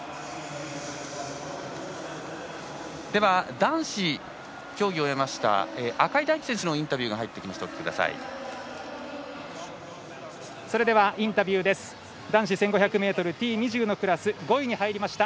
男子、競技を終えました赤井大樹選手のインタビューが入ってきました。